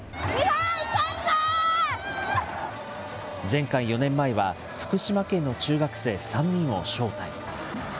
前回・４年前は、福島県の中学生３人を招待。